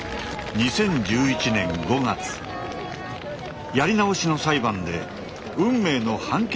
２０１１年５月やり直しの裁判で運命の判決の日が訪れました。